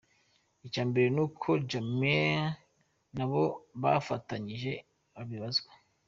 Icya mbere ni uko Jammeh n’abo bafatanyije babibazwa.